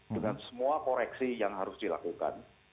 dengan semua koreksi yang harus dilakukan